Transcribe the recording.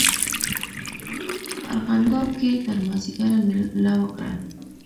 په ارغنداو کې تر مازیګره مېله وکړه.